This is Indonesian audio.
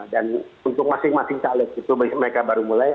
dan untuk masing masing caleg itu mereka baru mulai